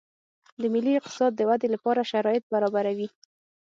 د ملي اقتصاد د ودې لپاره شرایط برابروي